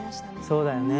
そうだよね。